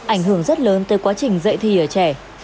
ảnh hưởng rất lớn tới quá trình dạy thi ở trẻ